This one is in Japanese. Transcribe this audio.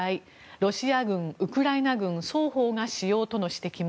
ロシア軍、ウクライナ軍双方が使用との指摘も。